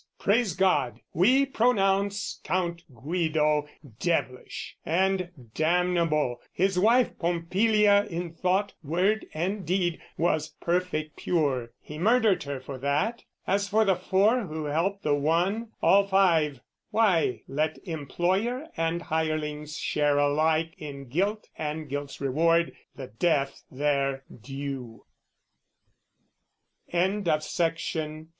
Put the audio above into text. Praise God! We pronounce "Count Guido devilish and damnable: "His wife Pompilia in thought, word, and deed, "Was perfect pure, he murdered her for that: "As for the Four who helped the One, all Five "Why, let employer and hirelings share alike "In guilt and guilt's reward, the death their due!" So was the trial at end, do you suppose?